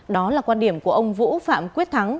đó là quan điểm của ông vũ phạm quyết thắng